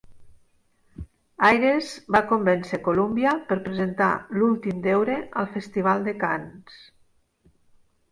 Ayres va convèncer Columbia per presentar "L'últim deure" al Festival de Cannes.